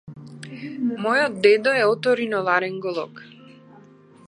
Мојот дедо е оториноларинголог.